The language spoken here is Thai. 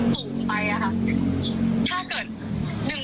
ถ้าเกิด๑หมื่นบาทค่าจอดรถนี่มันเป็นค่า